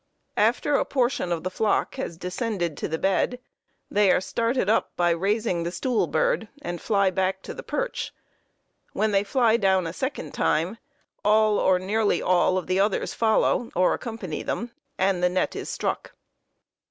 After a portion of the flock has descended to the bed, they are started up by "raising" the stool bird, and fly back to the perch. When they fly down a second time all or nearly all the others follow or accompany them and the net is "struck."